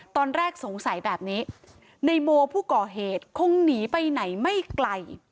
ตอนแรกสงสัยแบบนี้ในโมผู้ก่อเหตุคงหนีไปไหนไม่ไกล